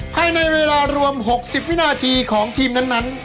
ภายในเวลารวม๖๐วินาทีของทีมนั้น